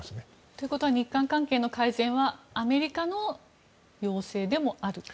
ということは日韓関係の改善はアメリカの要請でもあると。